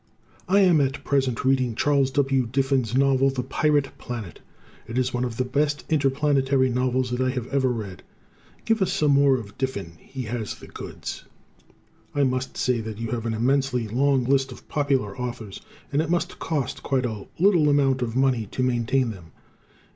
I am at present reading Charles W. Diffin's novel "The Pirate Planet." It is one of the best interplanetary novels that I have ever read. Give us some more of Diffin; he has the goods. I must say that you have an immensely long list of popular authors, and it must cost quite a little amount of money to maintain them.